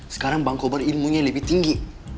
sekarang bang kobar ilmunya lebih tinggi